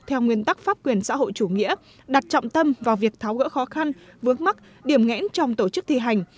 theo nguyên tắc pháp quyền xã hội chủ nghĩa đặt trọng tâm vào việc tháo gỡ khó khăn vướng mắt điểm ngẽn trong tổ chức thi hành